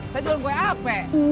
saya jualan gue hape